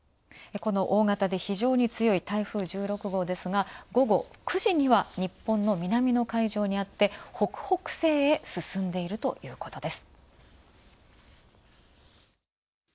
この大型でひじょうに強い台風１６号ですが午後９時には日本の南の海上にあって北北西へ進んでいるということです。